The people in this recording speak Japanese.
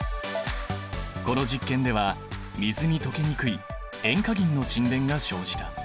この実験では水に溶けにくい塩化銀の沈殿が生じた。